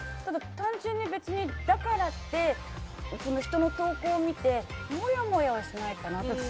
単純にだからって人の投稿を見てもやもやはしないかな。